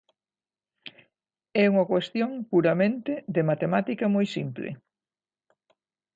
É unha cuestión puramente de matemática moi simple.